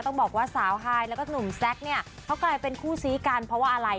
ต้องบอกว่าสาวฮายแล้วก็หนุ่มแซคเนี่ยเขากลายเป็นคู่ซีกันเพราะว่าอะไร